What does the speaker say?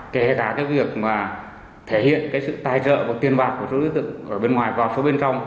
kể cả việc thể hiện sự tài trợ và tiền bạc của số đối tượng bên ngoài vào số bên trong